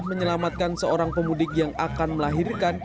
menyelamatkan seorang pemudik yang akan melahirkan